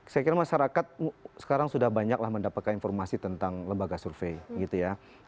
saya kira masyarakat sekarang sudah banyaklah mendapatkan informasi tentang lembaga survei gitu ya